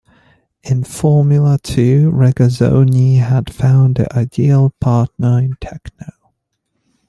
In Formula Two, Regazzoni had found the ideal partner in Tecno.